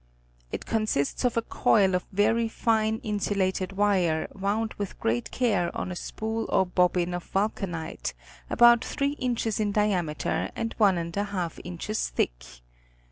It consists of a coil of very fine insulated wire wound with great care on a spool or bobbin of vulcanite, about three inches in diameter and 14 inches thick.